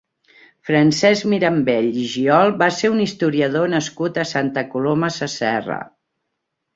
Francesc Mirambell i Giol va ser un historiador nascut a Santa Coloma Sasserra.